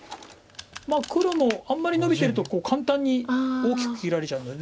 黒もあんまりノビてるとこう簡単に大きく生きられちゃうので。